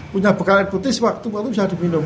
punya bekal air putih sewaktu waktu bisa diminum